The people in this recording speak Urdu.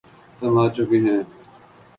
تنگ آچکے ہیں